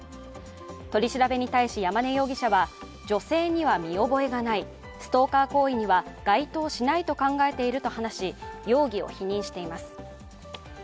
取り調べに対し山根容疑者は女性には見覚えがないストーカー行為には該当しないと考えていると話し容疑を否認しています。